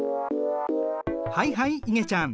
はいはいいげちゃん。